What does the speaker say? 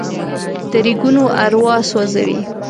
د ریګونو اروا سوزي